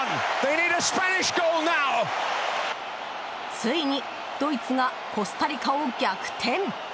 ついにドイツがコスタリカを逆転。